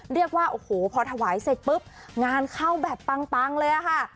เรียกว่าโอ้โหพอถวายเสร็จปุ๊บงานเข้าแบบปังเลยค่ะ